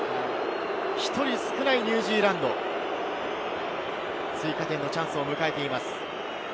１人少ないニュージーランド、追加点のチャンスを迎えています。